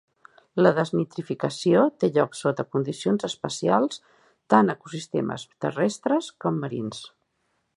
La desnitrificació té lloc sota condicions especials tant a ecosistemes terrestres com marins.